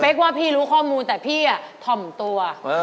กว่าพี่รู้ข้อมูลแต่พี่ถ่อมตัว